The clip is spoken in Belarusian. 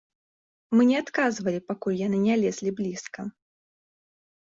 Мы не адказвалі, пакуль яны не лезлі блізка.